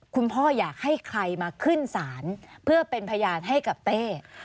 คุณพ่ออยากให้ใครมาขึ้นศาลเพื่อเป็นพยานให้กับเต้